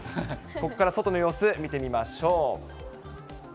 ここから外の様子、見てみましょう。